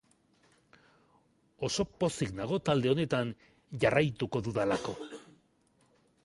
Oso pozik nago talde honetan jarraituko dudalako.